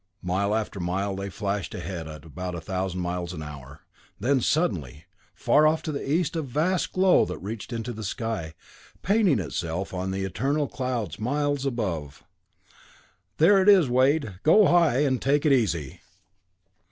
Mile after mile they flashed ahead at about a thousand miles an hour then suddenly they saw far off to the east a vast glow that reached into the sky, painting itself on the eternal clouds miles above. "There it is, Wade. Go high, and take it easy!"